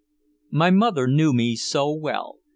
My mother knew me so well.